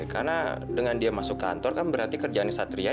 karena dengan dia masuk kantor kan berarti kerjaannya satria